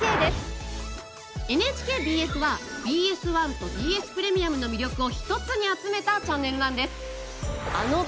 ＮＨＫＢＳはＢＳ１とＢＳプレミアムの魅力を一つに集めたチャンネルなんです。